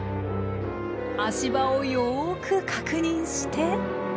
足場をよく確認して。